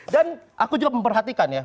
dan aku juga memperhatikan ya